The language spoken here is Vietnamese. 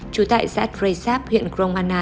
chú tại zad reysab huyện gromana